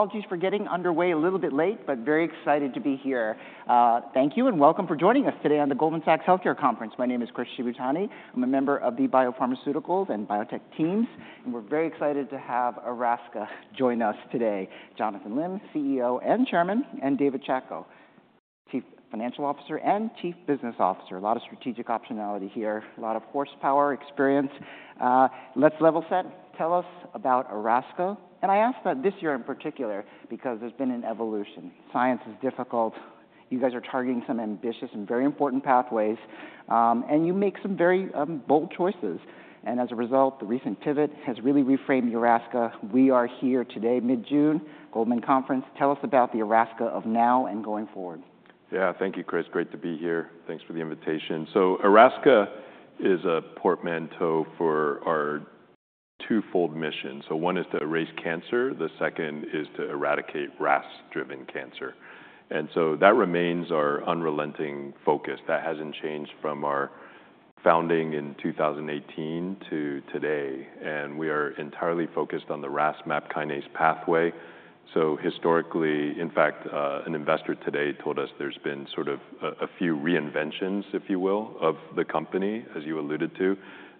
Okay, apologies for getting underway a little bit late, but very excited to be here. Thank you and welcome for joining us today on the Goldman Sachs Healthcare Conference. My name is Chris Shibutani. I'm a member of the Biopharmaceuticals and Biotech Teams, and we're very excited to have Erasca join us today. Jonathan Lim, CEO and Chairman, and David Chacko, Chief Financial Officer and Chief Business Officer. A lot of strategic optionality here, a lot of horsepower, experience. Let's level set. Tell us about Erasca. I ask that this year in particular because there's been an evolution. Science is difficult. You guys are targeting some ambitious and very important pathways, and you make some very bold choices. As a result, the recent pivot has really reframed Erasca. We are here today, mid-June, Goldman Conference. Tell us about the Erasca of now and going forward. Yeah, thank you, Chris. Great to be here. Thanks for the invitation. So Erasca is a portmanteau for our twofold mission. So one is to erase cancer. The second is to eradicate RAS-driven cancer. And so that remains our unrelenting focus. That hasn't changed from our founding in 2018 to today. And we are entirely focused on the RAS/MAP kinase pathway. So historically, in fact, an investor today told us there's been sort of a few reinventions, if you will, of the company, as you alluded to.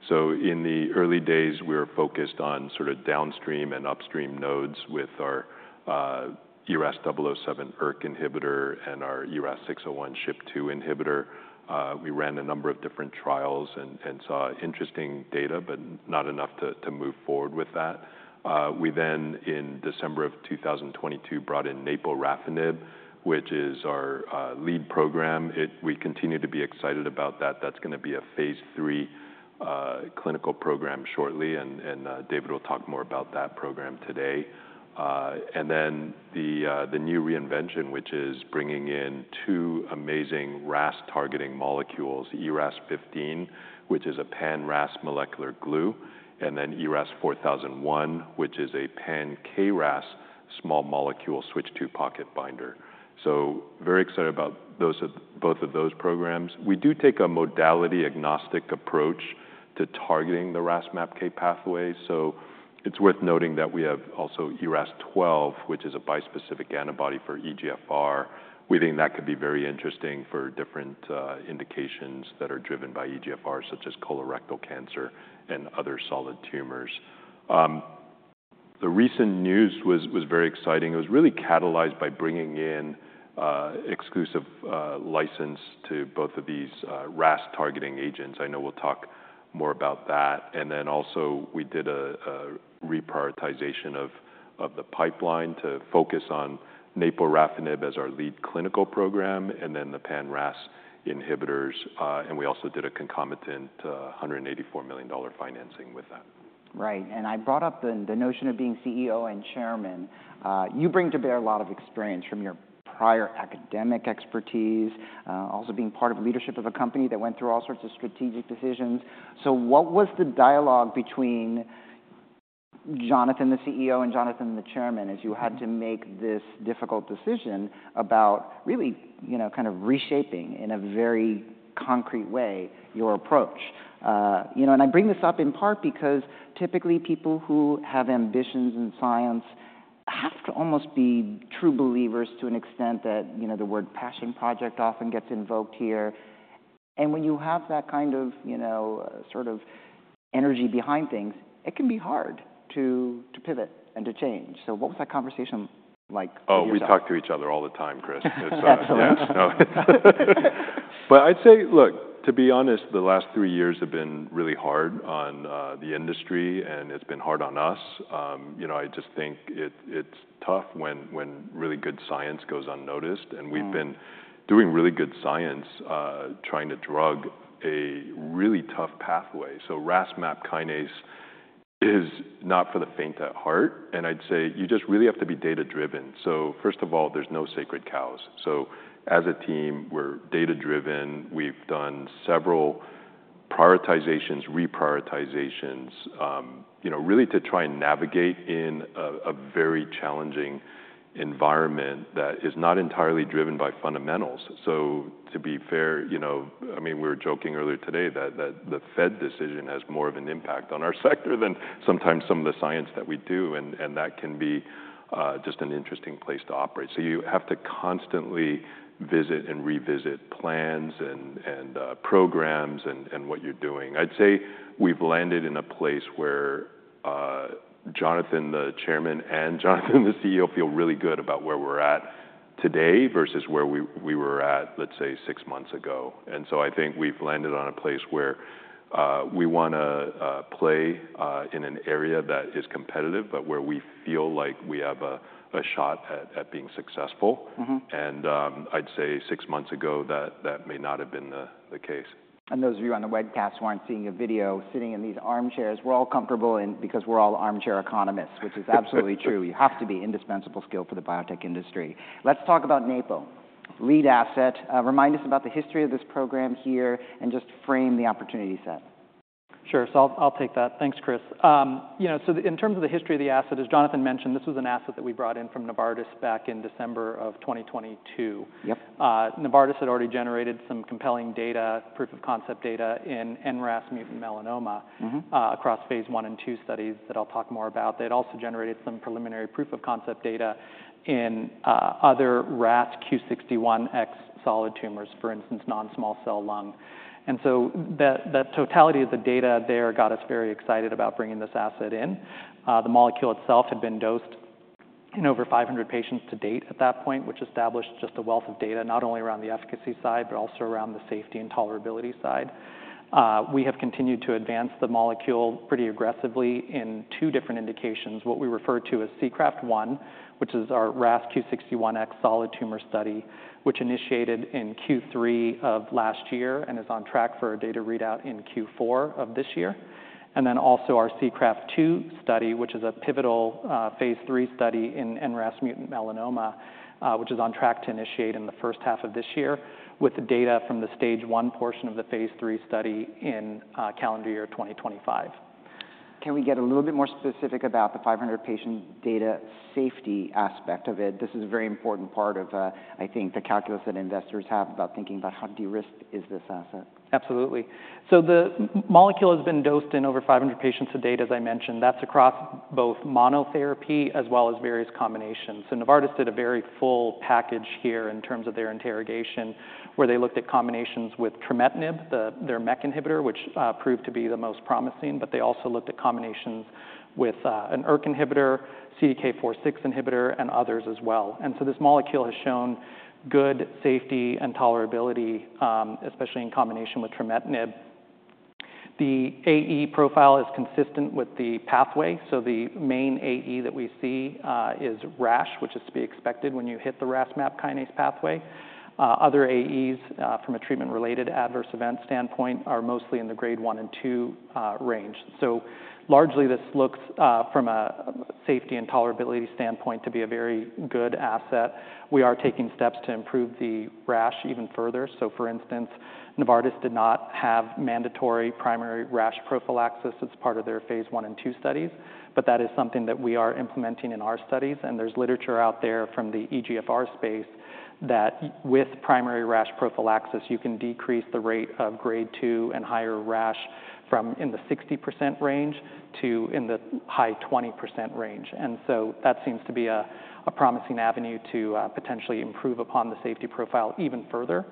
So in the early days, we were focused on sort of downstream and upstream nodes with our ERAS007 ERK inhibitor and our ERAS-601 SHP2 inhibitor. We ran a number of different trials and saw interesting data, but not enough to move forward with that. We then, in December of 2022, brought in Naporafenib, which is our lead programWe continue to be excited about that. That's going to be a phase III clinical program shortly, and David will talk more about that program today. Then the new reinvention, which is bringing in two amazing RAS-targeting molecules, ERAS-0015, which is a pan-RAS molecular glue, and then ERAS-4001, which is a pan-KRAS small molecule Switch II pocket binder. Very excited about both of those programs. We do take a modality-agnostic approach to targeting the RAS/MAPK pathway. It's worth noting that we have also ERAS-12, which is a bispecific antibody for EGFR. We think that could be very interesting for different indications that are driven by EGFR, such as colorectal cancer and other solid tumors. The recent news was very exciting. It was really catalyzed by bringing in exclusive license to both of these RAS-targeting agents. I know we'll talk more about that. Then also we did a reprioritization of the pipeline to focus on Naporafenib as our lead clinical program and then the pan-RAS inhibitors. We also did a concomitant $184 million financing with that. Right. I brought up the notion of being CEO and Chairman. You bring to bear a lot of experience from your prior academic expertise, also being part of leadership of a company that went through all sorts of strategic decisions. So what was the dialogue between Jonathan, the CEO, and Jonathan, the Chairman, as you had to make this difficult decision about really kind of reshaping in a very concrete way your approach? I bring this up in part because typically people who have ambitions in science have to almost be true believers to an extent that the word passion project often gets invoked here. When you have that kind of sort of energy behind things, it can be hard to pivot and to change. So what was that conversation like for you? Oh, we talk to each other all the time, Chris. Absolutely. But I'd say, look, to be honest, the last three years have been really hard on the industry, and it's been hard on us. I just think it's tough when really good science goes unnoticed. And we've been doing really good science trying to drug a really tough pathway. So RAS/MAPK is not for the faint at heart. And I'd say you just really have to be data-driven. So first of all, there's no sacred cows. So as a team, we're data-driven. We've done several prioritizations, reprioritizations, really to try and navigate in a very challenging environment that is not entirely driven by fundamentals. So to be fair, I mean, we were joking earlier today that the Fed decision has more of an impact on our sector than sometimes some of the science that we do. And that can be just an interesting place to operate. So you have to constantly visit and revisit plans and programs and what you're doing. I'd say we've landed in a place where Jonathan, the Chairman, and Jonathan, the CEO, feel really good about where we're at today versus where we were at, let's say, six months ago. And so I think we've landed on a place where we want to play in an area that is competitive, but where we feel like we have a shot at being successful. And I'd say six months ago, that may not have been the case. Those of you on the webcast who aren't seeing a video sitting in these armchairs, we're all comfortable because we're all armchair economists, which is absolutely true. You have to be an indispensable skill for the biotech industry. Let's talk about Napo, lead asset. Remind us about the history of this program here and just frame the opportunity set. Sure. So I'll take that. Thanks, Chris. So in terms of the history of the asset, as Jonathan mentioned, this was an asset that we brought in from Novartis back in December of 2022. Novartis had already generated some compelling data, proof of concept data in NRAS mutant melanoma across phase I and II studies that I'll talk more about. They had also generated some preliminary proof of concept data in other RAS Q61X solid tumors, for instance, non-small cell lung. And so that totality of the data there got us very excited about bringing this asset in. The molecule itself had been dosed in over 500 patients to date at that point, which established just a wealth of data, not only around the efficacy side, but also around the safety and tolerability side. We have continued to advance the molecule pretty aggressively in two different indications, what we refer to as SEACRAFT-1, which is our RAS Q61X solid tumor study, which initiated in Q3 of last year and is on track for a data readout in Q4 of this year. And then also our SEACRAFT-2 study, which is a pivotal phase III study in NRAS mutant melanoma, which is on track to initiate in the first half of this year with data from the stage one portion of the phase III study in calendar year 2025. Can we get a little bit more specific about the 500-patient data safety aspect of it? This is a very important part of, I think, the calculus that investors have about thinking about how de-risked is this asset. Absolutely. So the molecule has been dosed in over 500 patients to date, as I mentioned. That's across both monotherapy as well as various combinations. So Novartis did a very full package here in terms of their interrogation, where they looked at combinations with trametinib, their MEK inhibitor, which proved to be the most promising. But they also looked at combinations with an ERK inhibitor, CDK4/6 inhibitor, and others as well. And so this molecule has shown good safety and tolerability, especially in combination with trametinib. The AE profile is consistent with the pathway. So the main AE that we see is rash, which is to be expected when you hit the RAS/MAPK pathway. Other AEs from a treatment-related adverse event standpoint are mostly in the grade one and two range. So largely this looks, from a safety and tolerability standpoint, to be a very good asset. We are taking steps to improve the rash even further. So for instance, Novartis did not have mandatory primary rash prophylaxis as part of their phase one and two studies, but that is something that we are implementing in our studies. There's literature out there from the EGFR space that with primary rash prophylaxis, you can decrease the rate of grade two and higher rash from in the 60% range to in the high 20% range. So that seems to be a promising avenue to potentially improve upon the safety profile even further.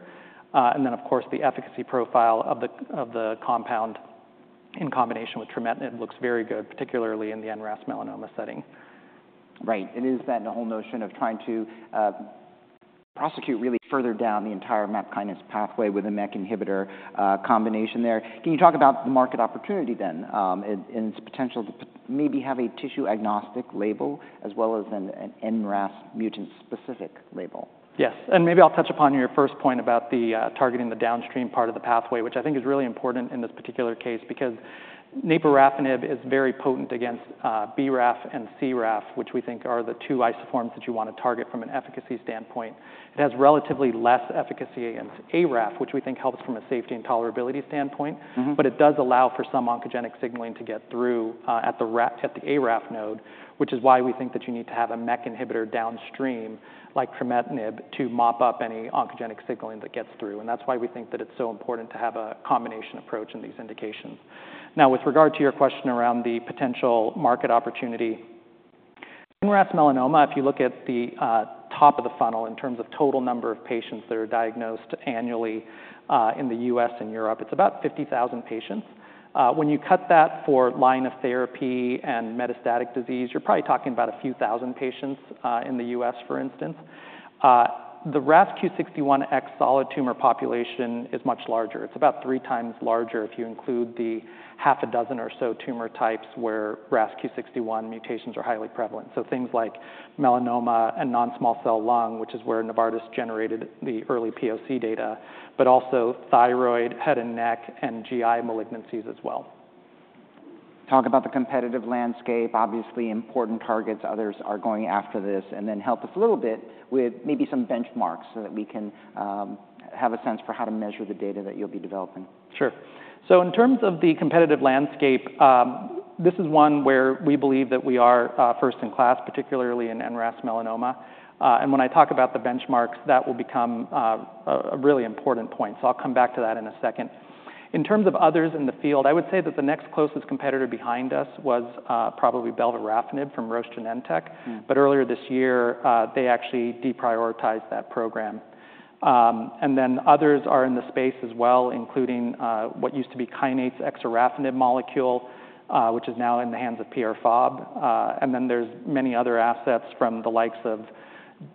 Then, of course, the efficacy profile of the compound in combination with trametinib looks very good, particularly in the NRAS melanoma setting. Right. And is that the whole notion of trying to prosecute really further down the entire MAP kinase pathway with a MEK inhibitor combination there? Can you talk about the market opportunity then and its potential to maybe have a tissue-agnostic label as well as an NRAS mutant-specific label? Yes. Maybe I'll touch upon your first point about targeting the downstream part of the pathway, which I think is really important in this particular case because Naporafenib is very potent against BRAF and CRAF, which we think are the two isoforms that you want to target from an efficacy standpoint. It has relatively less efficacy against ARAF, which we think helps from a safety and tolerability standpoint, but it does allow for some oncogenic signaling to get through at the ARAF node, which is why we think that you need to have a MEK inhibitor downstream like trametinib to mop up any oncogenic signaling that gets through. And that's why we think that it's so important to have a combination approach in these indications. Now, with regard to your question around the potential market opportunity, NRAS melanoma, if you look at the top of the funnel in terms of total number of patients that are diagnosed annually in the U.S. and Europe, it's about 50,000 patients. When you cut that for line of therapy and metastatic disease, you're probably talking about a few thousand patients in the U.S., for instance. The RAS Q61X solid tumor population is much larger. It's about 3 times larger if you include the 6 or so tumor types where RAS Q61 mutations are highly prevalent. So things like melanoma and non-small cell lung, which is where Novartis generated the early POC data, but also thyroid, head and neck, and GI malignancies as well. Talk about the competitive landscape, obviously important targets. Others are going after this. Then help us a little bit with maybe some benchmarks so that we can have a sense for how to measure the data that you'll be developing. Sure. So in terms of the competitive landscape, this is one where we believe that we are first in class, particularly in NRAS melanoma. And when I talk about the benchmarks, that will become a really important point. So I'll come back to that in a second. In terms of others in the field, I would say that the next closest competitor behind us was probably belvarafenib from Roche Genentech. But earlier this year, they actually deprioritized that program. And then others are in the space as well, including what used to be exarafenib molecule, which is now in the hands of Pierre Fabre. And then there's many other assets from the likes of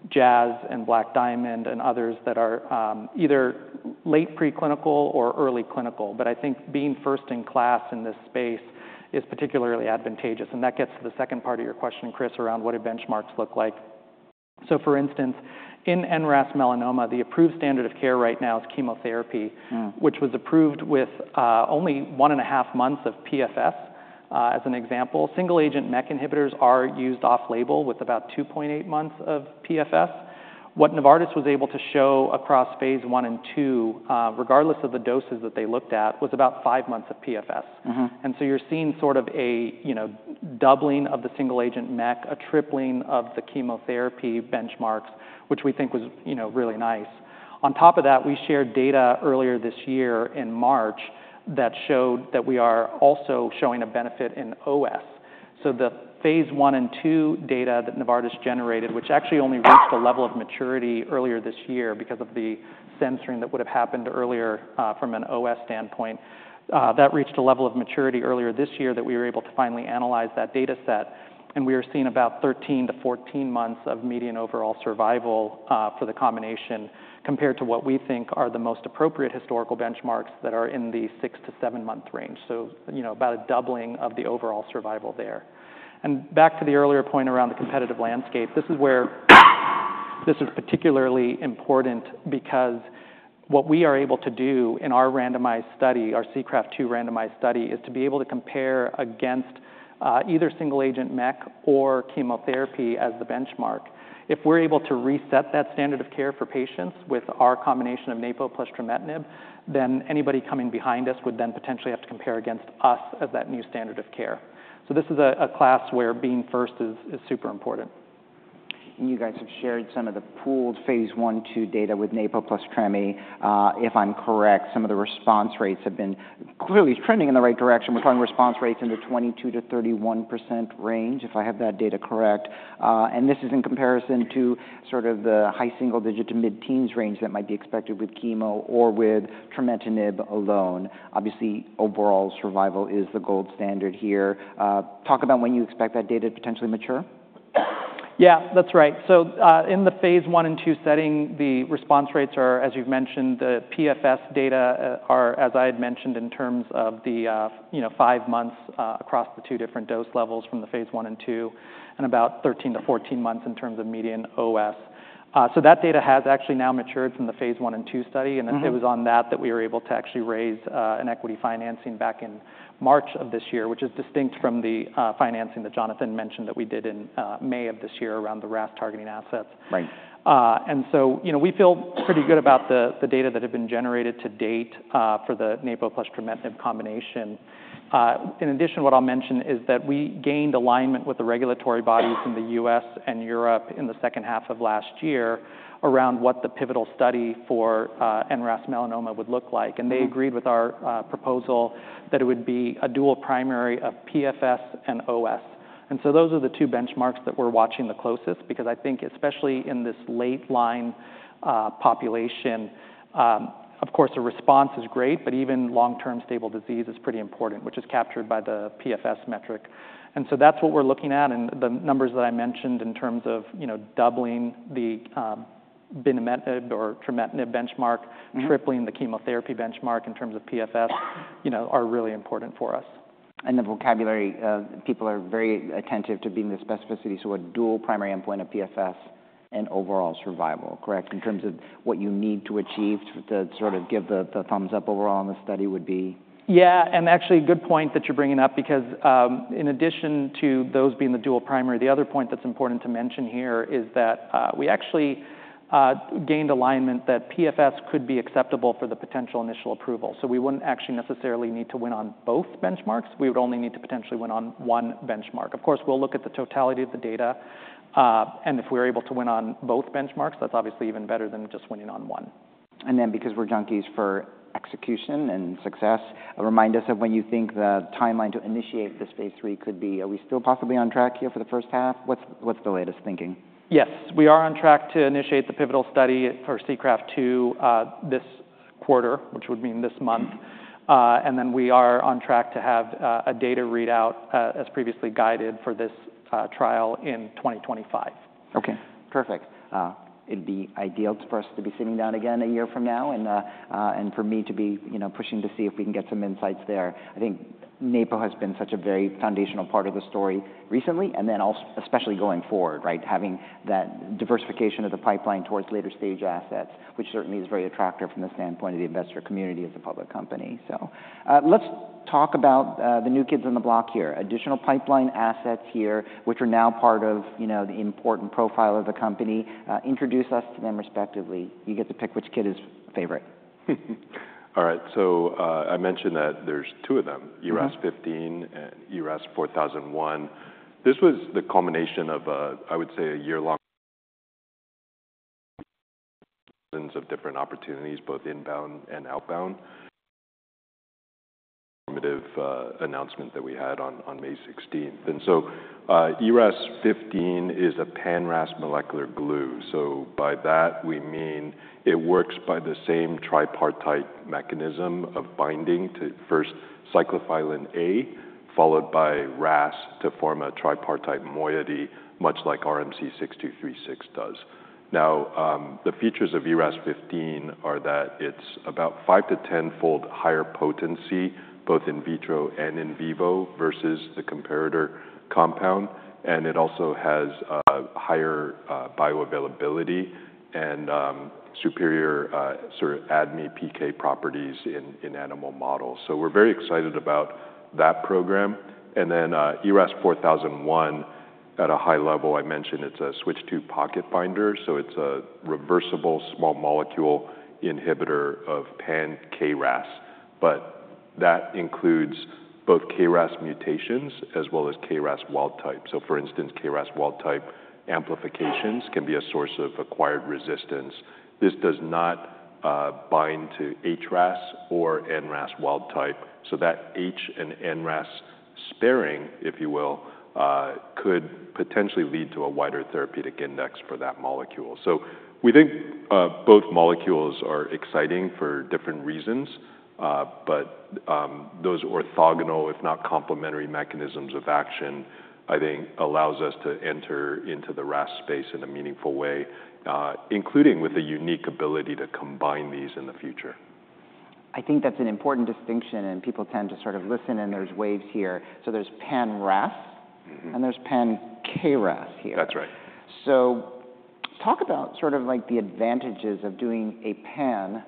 Jazz Pharmaceuticals and Black Diamond Therapeutics and others that are either late preclinical or early clinical. But I think being first in class in this space is particularly advantageous. And that gets to the second part of your question, Chris, around what do benchmarks look like. So for instance, in NRAS melanoma, the approved standard of care right now is chemotherapy, which was approved with only 1.5 months of PFS as an example. Single-agent MEK inhibitors are used off-label with about 2.8 months of PFS. What Novartis was able to show across phase I and II, regardless of the doses that they looked at, was about 5 months of PFS. And so you're seeing sort of a doubling of the single-agent MEK, a tripling of the chemotherapy benchmarks, which we think was really nice. On top of that, we shared data earlier this year in March that showed that we are also showing a benefit in OS. So the phase I and II data that Novartis generated, which actually only reached a level of maturity earlier this year because of the censoring that would have happened earlier from an OS standpoint, that reached a level of maturity earlier this year that we were able to finally analyze that data set. And we are seeing about 13-14 months of median overall survival for the combination compared to what we think are the most appropriate historical benchmarks that are in the 6-7-month range. So about a doubling of the overall survival there. And back to the earlier point around the competitive landscape, this is where this is particularly important because what we are able to do in our randomized study, our SEACRAFT-2 randomized study, is to be able to compare against either single-agent MEK or chemotherapy as the benchmark. If we're able to reset that standard of care for patients with our combination of Napo plus trametinib, then anybody coming behind us would then potentially have to compare against us as that new standard of care. So this is a class where being first is super important. You guys have shared some of the pooled phase I/IIdata with Napo plus trametinib. If I'm correct, some of the response rates have been clearly trending in the right direction. We're talking response rates in the 22%-31% range, if I have that data correct. And this is in comparison to sort of the high single-digit to mid-teens range that might be expected with chemo or with trametinib alone. Obviously, overall survival is the gold standard here. Talk about when you expect that data to potentially mature. Yeah, that's right. So in the phase Iand II setting, the response rates are, as you've mentioned, the PFS data are, as I had mentioned, in terms of the 5 months across the 2 different dose levels from the phase I and II, and about 13-14 months in terms of median OS. So that data has actually now matured from the phase I and II study. And it was on that that we were able to actually raise an equity financing back in March of this year, which is distinct from the financing that Jonathan mentioned that we did in May of this year around the RAS targeting assets. And so we feel pretty good about the data that have been generated to date for the Napo plus trametinib combination. In addition, what I'll mention is that we gained alignment with the regulatory bodies in the U.S. and Europe in the second half of last year around what the pivotal study for NRAS melanoma would look like. They agreed with our proposal that it would be a dual primary of PFS and OS. So those are the two benchmarks that we're watching the closest because I think, especially in this late line population, of course, the response is great, but even long-term stable disease is pretty important, which is captured by the PFS metric. That's what we're looking at. The numbers that I mentioned in terms of doubling the binimetinib or trametinib benchmark, tripling the chemotherapy benchmark in terms of PFS are really important for us. The vocabulary, people are very attentive to being the specificities for dual primary endpoint of PFS and overall survival, correct? In terms of what you need to achieve to sort of give the thumbs up overall on the study would be. Yeah. And actually, good point that you're bringing up because in addition to those being the dual primary, the other point that's important to mention here is that we actually gained alignment that PFS could be acceptable for the potential initial approval. So we wouldn't actually necessarily need to win on both benchmarks. We would only need to potentially win on one benchmark. Of course, we'll look at the totality of the data. And if we're able to win on both benchmarks, that's obviously even better than just winning on one. Then because we're junkies for execution and success, remind us of when you think the timeline to initiate this phase III could be. Are we still possibly on track here for the first half? What's the latest thinking? Yes, we are on track to initiate the pivotal study for SEACRAFT-2 this quarter, which would mean this month. And then we are on track to have a data readout as previously guided for this trial in 2025. Okay. Perfect. It'd be ideal for us to be sitting down again a year from now and for me to be pushing to see if we can get some insights there. I think Napo has been such a very foundational part of the story recently and then especially going forward, right? Having that diversification of the pipeline towards later stage assets, which certainly is very attractive from the standpoint of the investor community as a public company. So let's talk about the new kids on the block here. Additional pipeline assets here, which are now part of the important profile of the company. Introduce us to them respectively. You get to pick which kid is favorite. All right. So I mentioned that there's 2 of them, ERAS -15 and ERAS- 4001. This was the culmination of, I would say, a year-long of different opportunities, both inbound and outbound. Formative announcement that we had on May 16th. And so ERAS- 15 is a pan-RAS molecular glue. So by that, we mean it works by the same tripartite mechanism of binding to first cyclophilin A, followed by RAS to form a tripartite moiety, much like RMC6236 does. Now, the features of ERAS- 15 are that it's about 5- to 10-fold higher potency, both in vitro and in vivo versus the comparator compound. And it also has higher bioavailability and superior sort of ADME PK properties in animal models. So we're very excited about that program. And then ERAS- 4001 at a high level, I mentioned it's a switch to pocket binder. So it's a reversible small molecule inhibitor of pan-KRAS. But that includes both KRAS mutations as well as KRAS wild type. So for instance, KRAS wild type amplifications can be a source of acquired resistance. This does not bind to HRAS or NRAS wild type. So that HRAS and NRAS sparing, if you will, could potentially lead to a wider therapeutic index for that molecule. So we think both molecules are exciting for different reasons. But those orthogonal, if not complementary mechanisms of action, I think allows us to enter into the RAS space in a meaningful way, including with a unique ability to combine these in the future. I think that's an important distinction. People tend to sort of listen and there's waves here. There's pan-RAS and there's pan-KRAS here. That's right. So talk about sort of like the advantages of doing a pan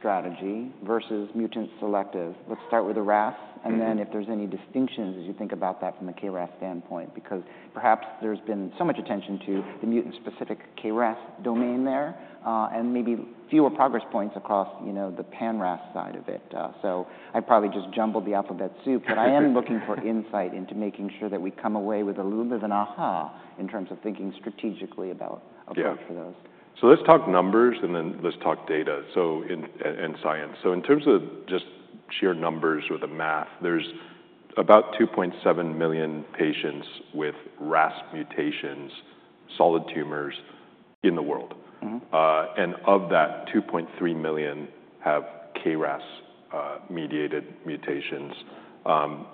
strategy versus mutant selective. Let's start with the RAS. Then if there's any distinctions as you think about that from the KRAS standpoint, because perhaps there's been so much attention to the mutant-specific KRAS domain there and maybe fewer progress points across the pan-RAS side of it. So I probably just jumbled the alphabet soup, but I am looking for insight into making sure that we come away with a little bit of an aha in terms of thinking strategically about approach for those. So let's talk numbers and then let's talk data and science. So in terms of just sheer numbers or the math, there's about 2.7 million patients with RAS mutations, solid tumors in the world. And of that, 2.3 million have KRAS-mediated mutations.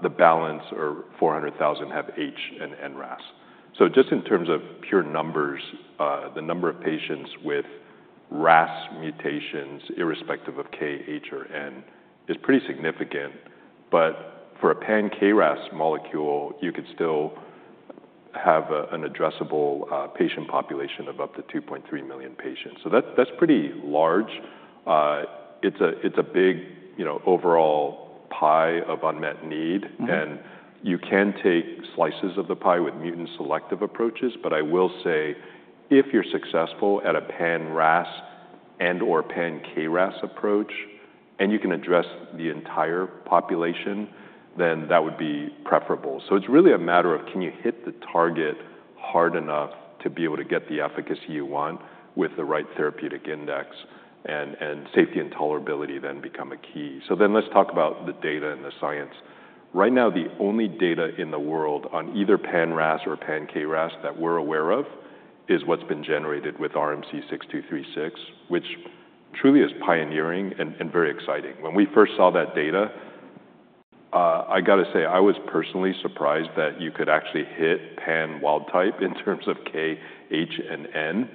The balance, 400,000, have H and NRAS. So just in terms of pure numbers, the number of patients with RAS mutations, irrespective of K, H, or N, is pretty significant. But for a pan-KRAS molecule, you could still have an addressable patient population of up to 2.3 million patients. So that's pretty large. It's a big overall pie of unmet need. And you can take slices of the pie with mutant selective approaches. But I will say, if you're successful at a pan-RAS and/or pan-KRAS approach, and you can address the entire population, then that would be preferable. So it's really a matter of can you hit the target hard enough to be able to get the efficacy you want with the right therapeutic index. And safety and tolerability then become a key. So then let's talk about the data and the science. Right now, the only data in the world on either pan-RAS or pan-KRAS that we're aware of is what's been generated with RMC-6236, which truly is pioneering and very exciting. When we first saw that data, I got to say, I was personally surprised that you could actually hit pan-wild type in terms of K, H, and N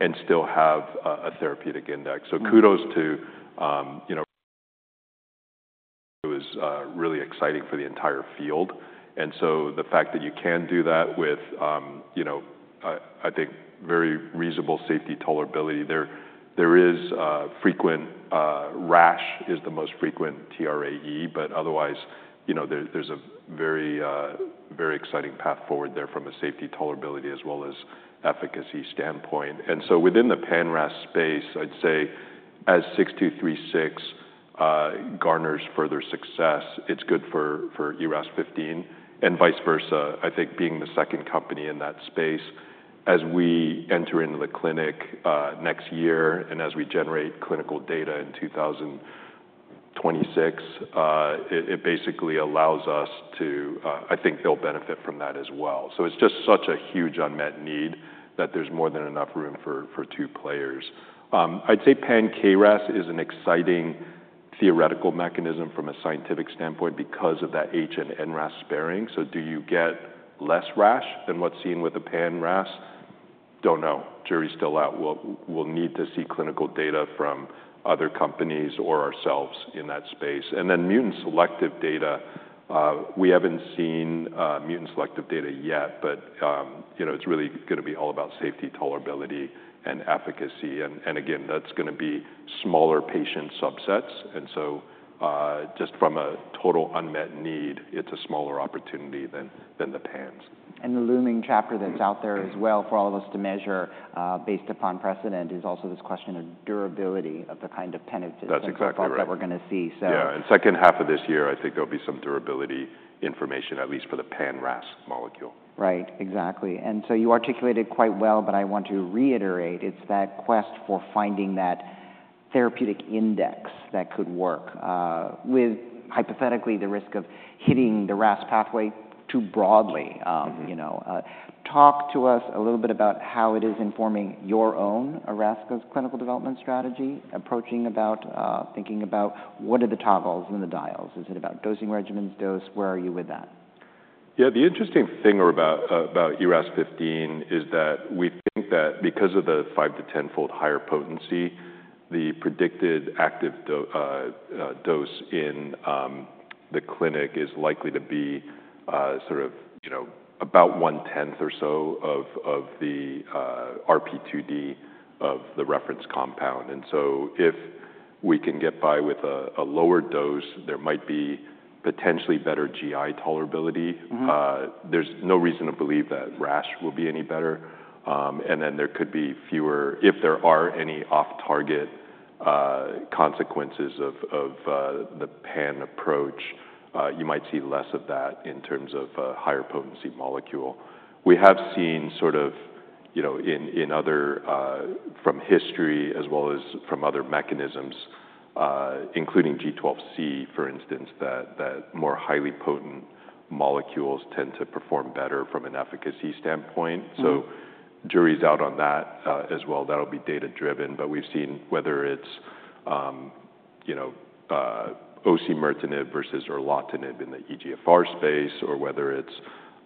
and still have a therapeutic index. So kudos to it. It was really exciting for the entire field. And so the fact that you can do that with, I think, very reasonable safety tolerability. There is frequent rash, rash is the most frequent TRAE, but otherwise, there's a very exciting path forward there from a safety tolerability as well as efficacy standpoint. And so within the pan-RAS space, I'd say as 6236 garners further success, it's good for ERAS 15 and vice versa. I think being the second company in that space, as we enter into the clinic next year and as we generate clinical data in 2026, it basically allows us to, I think they'll benefit from that as well. So it's just such a huge unmet need that there's more than enough room for two players. I'd say pan-KRAS is an exciting theoretical mechanism from a scientific standpoint because of that HRAS and NRAS sparing. So do you get less rash than what's seen with the pan-RAS? Don't know. Jury's still out. We'll need to see clinical data from other companies or ourselves in that space. And then mutant selective data, we haven't seen mutant selective data yet, but it's really going to be all about safety tolerability and efficacy. And again, that's going to be smaller patient subsets. And so just from a total unmet need, it's a smaller opportunity than the pans. The looming chapter that's out there as well for all of us to measure based upon precedent is also this question of durability of the kind of penetrative results that we're going to see. That's exactly right. Yeah. Second half of this year, I think there'll be some durability information, at least for the pan-RAS molecule. Right. Exactly. And so you articulated quite well, but I want to reiterate, it's that quest for finding that therapeutic index that could work with hypothetically the risk of hitting the RAS pathway too broadly. Talk to us a little bit about how it is informing your own Erasca's clinical development strategy, approaching about thinking about what are the toggles and the dials. Is it about dosing regimens, dose? Where are you with that? Yeah. The interesting thing about ERAS-0015 is that we think that because of the five- to tenfold higher potency, the predicted active dose in the clinic is likely to be sort of about one-tenth or so of the RP2D of the reference compound. And so if we can get by with a lower dose, there might be potentially better GI tolerability. There's no reason to believe that RAS will be any better. And then there could be fewer, if there are any off-target consequences of the pan approach, you might see less of that in terms of a higher potency molecule. We have seen sort of in other from history as well as from other mechanisms, including G12C, for instance, that more highly potent molecules tend to perform better from an efficacy standpoint. So jury's out on that as well. That'll be data-driven. But we've seen whether it's osimertinib versus erlotinib in the EGFR space, or whether it's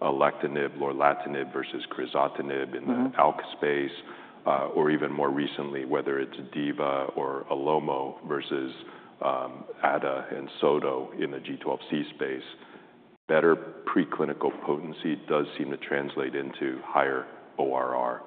alectinib, lorlatinib versus crizotinib in the ALK space, or even more recently, whether it's divarasib or olomorasib versus adagrasib and sotorasib in the G12C space. Better preclinical potency does seem to translate into higher ORR.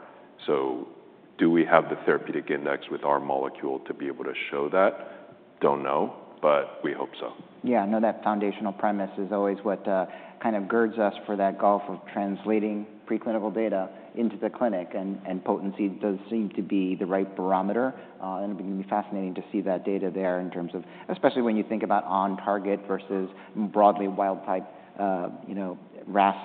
So do we have the therapeutic index with our molecule to be able to show that? Don't know, but we hope so. Yeah. I know that foundational premise is always what kind of girds us for that gulf of translating preclinical data into the clinic. And potency does seem to be the right barometer. And it would be fascinating to see that data there in terms of, especially when you think about on-target versus broadly wild-type RAS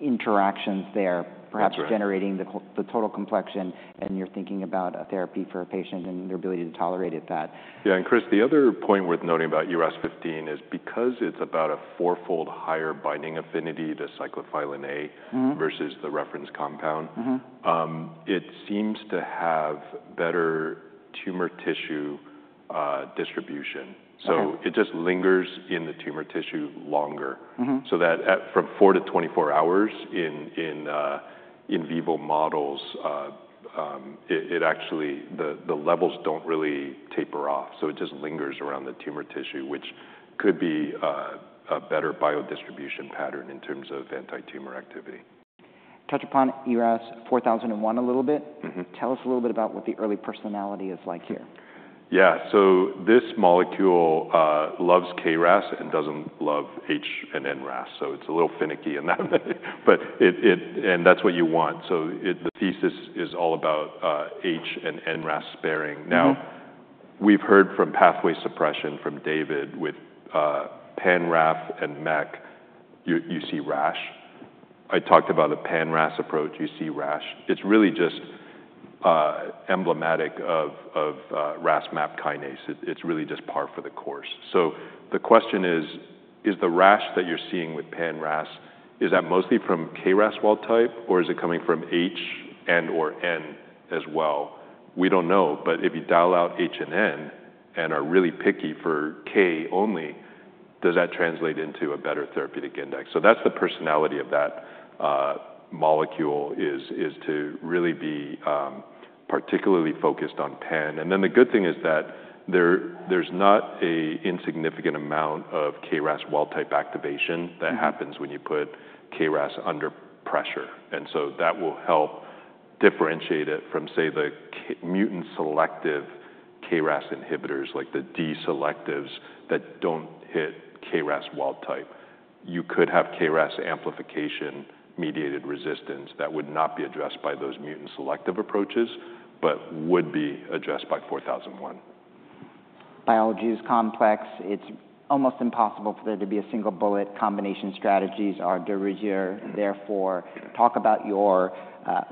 interactions there, perhaps generating the total complexion. And you're thinking about a therapy for a patient and their ability to tolerate it that. Yeah. And Chris, the other point worth noting about ERAS-0015 is because it's about a fourfold higher binding affinity to cyclophilin A versus the reference compound, it seems to have better tumor tissue distribution. So it just lingers in the tumor tissue longer. So that from 4-24 hours in vivo models, it actually the levels don't really taper off. So it just lingers around the tumor tissue, which could be a better biodistribution pattern in terms of anti-tumor activity.. Touch upon ERAS-4001 a little bit. Tell us a little bit about what the early personality is like here? Yeah. So this molecule loves KRAS and doesn't love H and NRAS. So it's a little finicky in that way. And that's what you want. So the thesis is all about H and NRAS sparing. Now, we've heard from pathway suppression from David with pan-RAF and MEK. You see RAS. I talked about the pan-RAS approach. You see RAS. It's really just emblematic of RAS map kinase. It's really just par for the course. So the question is, is the RAS that you're seeing with pan-RAS, is that mostly from KRAS wild type or is it coming from H and/or N as well? We don't know. But if you dial out H and N and are really picky for K only, does that translate into a better therapeutic index? So that's the personality of that molecule is to really be particularly focused on pan. The good thing is that there's not an insignificant amount of KRAS wild type activation that happens when you put KRAS under pressure. That will help differentiate it from, say, the mutant selective KRAS inhibitors, like the G12C selectives that don't hit KRAS wild type. You could have KRAS amplification-mediated resistance that would not be addressed by those mutant selective approaches, but would be addressed by 4001. Biology is complex. It's almost impossible for there to be a single bullet. Combination strategies are de rigueur. Therefore, talk about your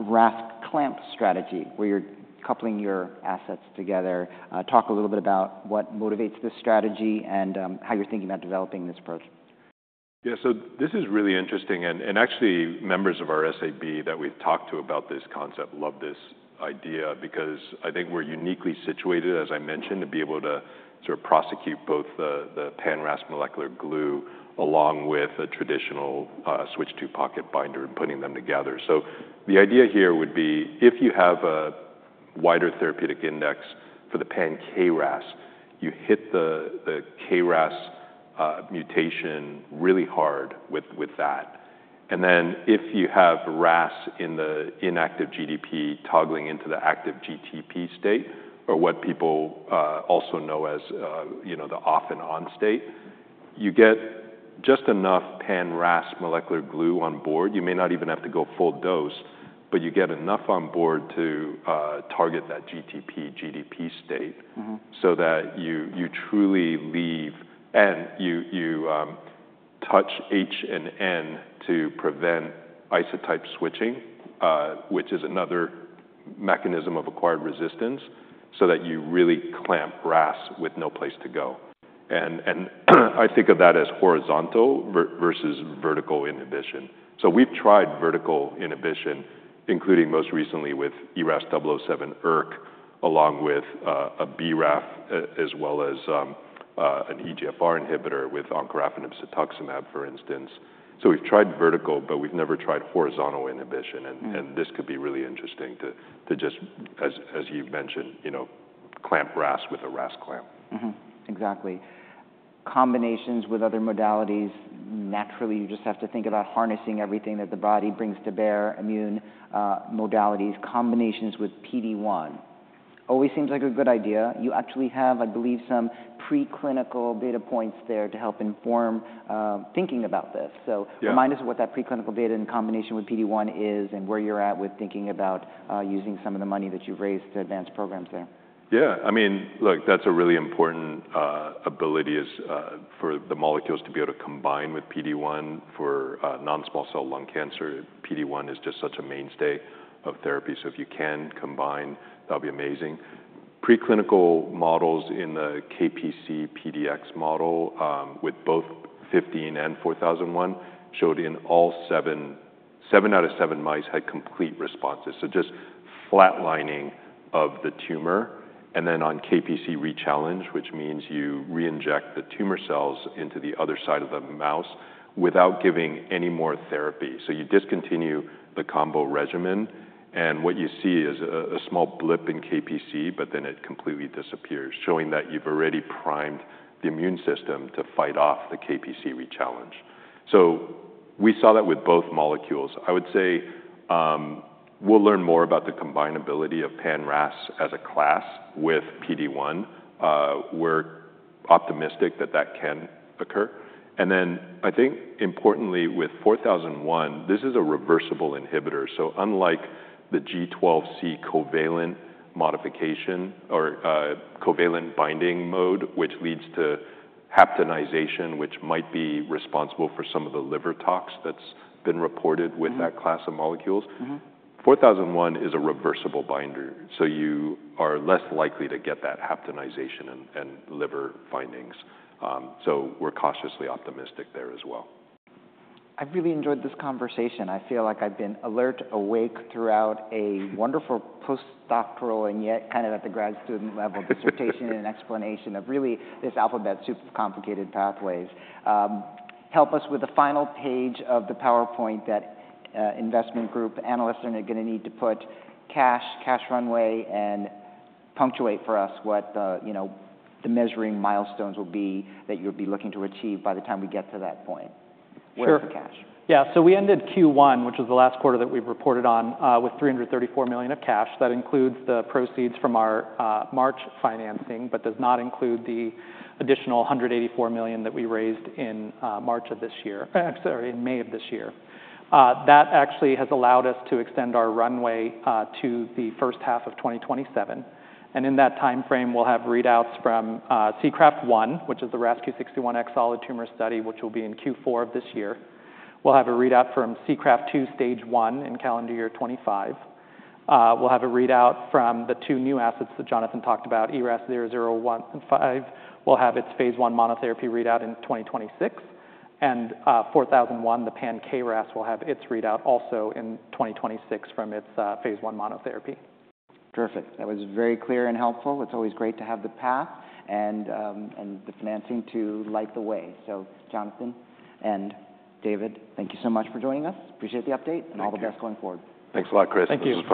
RAS clamp strategy where you're coupling your assets together. Talk a little bit about what motivates this strategy and how you're thinking about developing this approach. Yeah. So this is really interesting. And actually, members of our SAB that we've talked to about this concept love this idea because I think we're uniquely situated, as I mentioned, to be able to sort of prosecute both the pan-RAS molecular glue along with a traditional switch to pocket binder and putting them together. So the idea here would be if you have a wider therapeutic index for the pan-KRAS, you hit the KRAS mutation really hard with that. And then if you have RAS in the inactive GDP toggling into the active GTP state, or what people also know as the off and on state, you get just enough pan-RAS molecular glue on board. You may not even have to go full dose, but you get enough on board to target that GTP-GDP state so that you truly leave and you touch HRAS and NRAS to prevent isotype switching, which is another mechanism of acquired resistance so that you really clamp RAS with no place to go. I think of that as horizontal versus vertical inhibition. We've tried vertical inhibition, including most recently with ERAS-007 ERK, along with a BRAF as well as an EGFR inhibitor with encorafenib/cetuximab, for instance. We've tried vertical, but we've never tried horizontal inhibition. This could be really interesting to just, as you mentioned, clamp RAS with a RAS clamp. Exactly. Combinations with other modalities. Naturally, you just have to think about harnessing everything that the body brings to bear, immune modalities, combinations with PD-1. Always seems like a good idea. You actually have, I believe, some preclinical data points there to help inform thinking about this. So remind us of what that preclinical data in combination with PD-1 is and where you're at with thinking about using some of the money that you've raised to advance programs there. Yeah. I mean, look, that's a really important ability for the molecules to be able to combine with PD-1 for non-small cell lung cancer. PD-1 is just such a mainstay of therapy. So if you can combine, that'll be amazing. Preclinical models in the KPC PDX model with both 15 and 4001 showed in all seven, 7 out of 7 mice had complete responses. So just flatlining of the tumor. And then on KPC rechallenge, which means you reinject the tumor cells into the other side of the mouse without giving any more therapy. So you discontinue the combo regimen. And what you see is a small blip in KPC, but then it completely disappears, showing that you've already primed the immune system to fight off the KPC rechallenge. So we saw that with both molecules. I would say we'll learn more about the combinability of pan-RAS as a class with PD-1. We're optimistic that that can occur. And then I think importantly with 4001, this is a reversible inhibitor. So unlike the G12C covalent modification or covalent binding mode, which leads to haptenization, which might be responsible for some of the liver tox that's been reported with that class of molecules, 4001 is a reversible binder. So you are less likely to get that haptenization and liver findings. So we're cautiously optimistic there as well. I've really enjoyed this conversation. I feel like I've been alert, awake throughout a wonderful postdoctoral and yet kind of at the grad student level dissertation and explanation of really this alphabet soup of complicated pathways. Help us with the final page of the PowerPoint that investment group analysts are going to need to put cash, cash runway, and punctuate for us what the measuring milestones will be that you'll be looking to achieve by the time we get to that point. Where's the cash? Sure. Yeah. So we ended Q1, which was the last quarter that we reported on, with $334 million of cash. That includes the proceeds from our March financing, but does not include the additional $184 million that we raised in March of this year, sorry, in May of this year. That actually has allowed us to extend our runway to the first half of 2027. And in that timeframe, we'll have readouts from SEACRAFT-1, which is the RAS Q61X solid tumor study, which will be in Q4 of this year. We'll have a readout from SEACRAFT-2, stage one in calendar year 2025. We'll have a readout from the two new assets that Jonathan talked about, ERAS-001 and 005. We'll have its phase I monotherapy readout in 2026. And ERAS-4001, the pan-KRAS, will have its readout also in 2026 from its phase I monotherapy. Terrific. That was very clear and helpful. It's always great to have the path and the financing to light the way. So Jonathan and David, thank you so much for joining us. Appreciate the update and all the best going forward' Thanks a lot, Chris. Thank you.